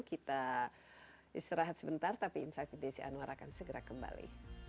kita istirahat sebentar tapi insight with desi anwar akan segera kembali